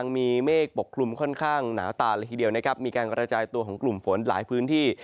มีเมฆปกคลุมค่อนข้างหนาตาเลยทีเดียวนะครับมีการกระจายตัวของกลุ่มฝนหลายพื้นที่